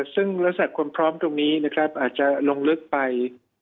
ซึ่งลักษณะความพร้อมตรงนี้นะครับอาจจะลงลึกไป